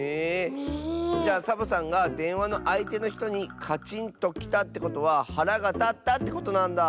じゃあサボさんがでんわのあいてのひとにカチンときたってことははらがたったってことなんだ。